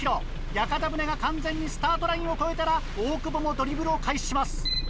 屋形船が完全にスタートラインを越えたら大久保もドリブルを開始します。